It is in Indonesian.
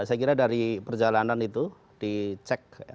saya kira dari perjalanan itu dicek secara fisik cara akar